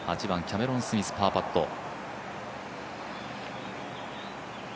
８番、キャメロン・スミス、パーパット。